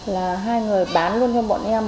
là hai người bán luôn cho bọn em